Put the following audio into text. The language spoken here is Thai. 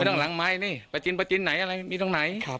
ไม่ต้องหลังไม้นี่ประจินไหนมีตรงไหน